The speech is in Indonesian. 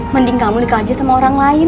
mending kamu nikah aja sama orang lain